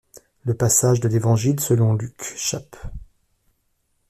Le passage de l'Évangile selon Luc, chap.